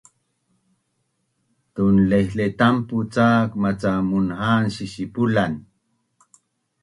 Tunlaihletampu cak maca munha’an sisipulan